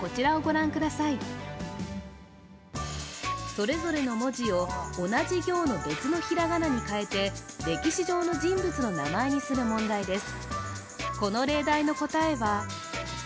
それぞれの文字を同じ行の別のひらがなに変えて歴史上の人物の名前にする問題です。